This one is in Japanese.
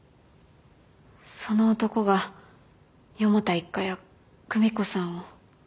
その男が四方田一家や久美子さんを。